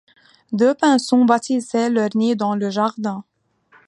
Deux pinsons bâtissaient leur nid dans le jardin.